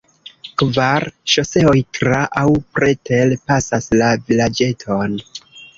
Kvar ŝoseoj tra- aŭ preter-pasas la vilaĝeton.